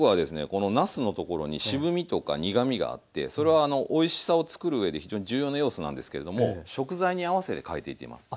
このなすのところに渋みとか苦みがあってそれはおいしさを作る上で非常に重要な要素なんですけれども食材に合わせて変えていってます。